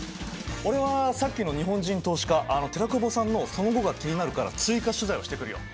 俺はさっきの日本人投資家寺久保さんのその後が気になるから追加取材をしてくるよ。